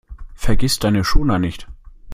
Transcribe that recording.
Vergiss deine Schoner nicht!